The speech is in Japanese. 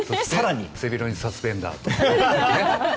背広にサスペンダーと。